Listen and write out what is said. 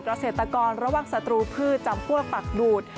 เกษตรกรระวังศัตรูพืชจำพวกปักดูด